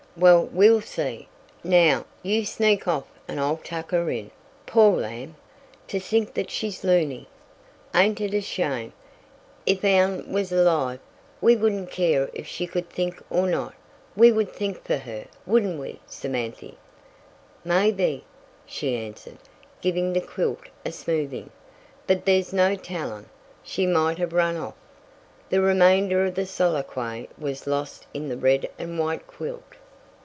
"Well, we'll see. Now, you sneak off and I'll tuck her in. Poor lamb! To think that she's looney!" "Ain't it a shame! If our'n was alive we wouldn't care if she could think or not we would think fer her wouldn't we, Samanthy?" "Mebby," she answered, giving the quilt a smoothing. "But there's no tellin'. She might have run off " The remainder of the soliloquy was lost in the red and white quilt.